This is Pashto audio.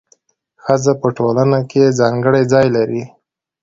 ښځه په ټولنه کي ځانګړی ځای لري.